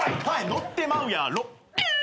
「乗ってまうやろ」